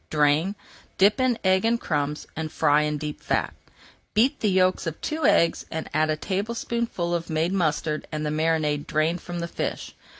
Drain, dip in egg and crumbs, and fry in deep fat. Beat the yolks of two eggs, add a teaspoonful of made mustard and the marinade drained from the fish.